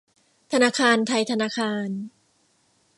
ธนาคารไทยธนาคาร